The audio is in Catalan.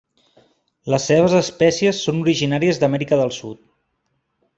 Les seves espècies són originàries d'Amèrica del Sud.